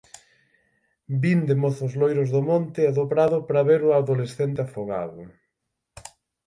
Vinde mozos loiros do monte e do prado pra ver o adolescente afogado